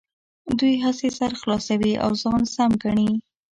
دوی هسې سر خلاصوي او ځان سم ګڼي.